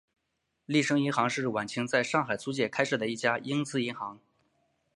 利升银行是晚清在上海租界开设的一家英资银行。